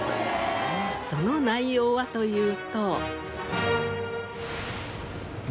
その内容はというと。